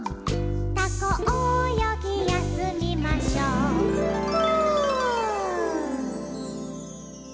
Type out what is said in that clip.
「タコおよぎやすみましょうフ」